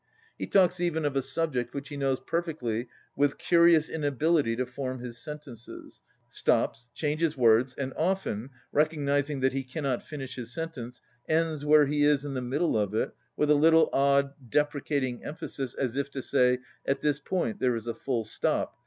He talks even of a subject which he knows perfectly with curious inability to form his sentences; stops, changes words, and often, recog nizing that he cannot finish his sentence, ends where he is, in the middle of it, with a little odd, deprecating emphasis, as if to say : "At this point there is a full stop.